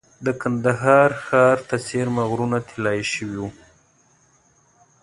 د کندهار ښار ته څېرمه غرونه طلایي شوي وو.